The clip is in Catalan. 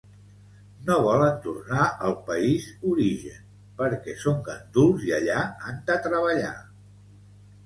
No volen tornar al país origen perquè són ganduls i allà han de treballar